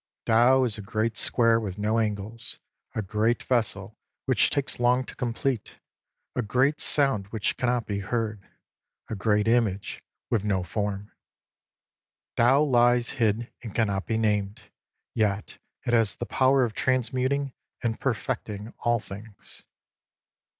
Tao is a great square with no angles, a great vessel which takes long to complete, a great sound which cannot b^ heard, a great image with no form. Tao lies hid and cannot be named, yet it has the power of transmuting and perfecting all things.